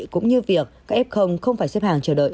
cũng như việc các ép không không phải xếp hàng chờ đợi